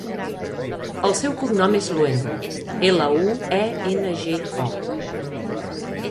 El seu cognom és Luengo: ela, u, e, ena, ge, o.